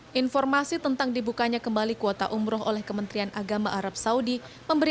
hai informasi tentang dibukanya kembali kuota umroh oleh kementerian agama arab saudi memberi